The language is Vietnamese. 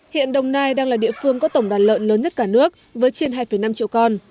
hiện đồng nai đang là địa phương có tổng đàn lợn lớn nhất cả nước với trên hai năm triệu con